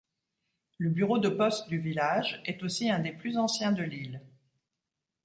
Le bureau de poste du village est aussi un des plus anciens de l'île.